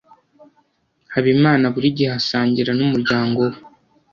Habimana buri gihe asangira numuryango we.